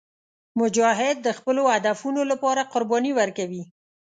مجاهد د خپلو هدفونو لپاره قرباني ورکوي.